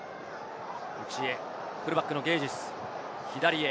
内へ、フルバックのゲージス、左へ。